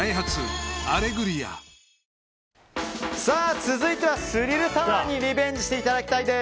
続いてはスリルタワーにリベンジしていただきたいです。